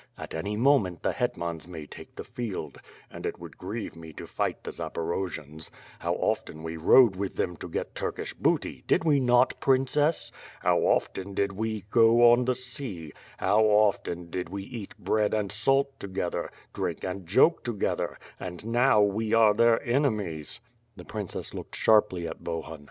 At any moment, the Hetmans may take the field; and it would grieve me to fight the Zaporojians. How often we rode with them to get Tur kish booty — did we not, princess? How often did we go on the sea; how often did we eat bread and salt together; drink and joke together; and now we are their enemies." The princess loked sharply at Bohun.